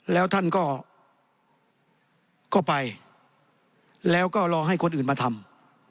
แล้วท่านก็ไปแล้วก็รอให้คนอื่นมาทำ